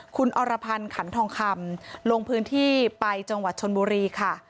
คุณอรพันธ์ขันทองคำลงพื้นที่ไปจังหวัดชนบุรีค่ะ